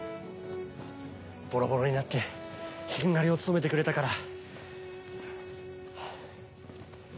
ボロボロになってしんがりを務めてくれたから。